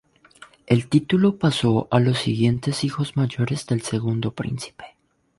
El título pasó a los siguientes hijos mayores del segundo príncipe.